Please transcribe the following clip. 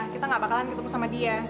kita gak bakalan ketemu sama dia